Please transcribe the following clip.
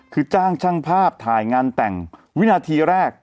คือจ้างช่างภาพถ่ายงานแต่งวินาทีแรก